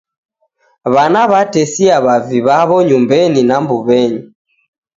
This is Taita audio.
W'ana w'atesia w'avi w'aw'o nyumbenyi na mbuw'enyi.